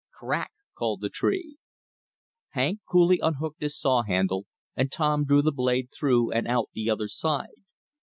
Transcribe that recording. "Crack!" called the tree. Hank coolly unhooked his saw handle, and Tom drew the blade through and out the other side.